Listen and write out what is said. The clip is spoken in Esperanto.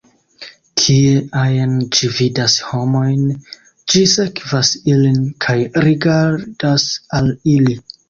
Kie ajn ĝi vidas homojn, ĝi sekvas ilin kaj rigardas al ili.